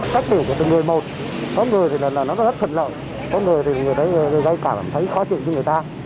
cách biểu của từng người một có người thì nó rất thật lợi có người thì người gây cảm thấy khó chịu như người ta